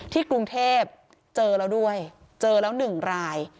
กรุงเทพเจอแล้วด้วยเจอแล้ว๑ราย